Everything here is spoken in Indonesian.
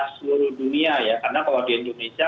seluruh dunia ya karena kalau di indonesia